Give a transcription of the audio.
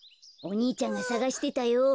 お兄ちゃんがさがしてたよ。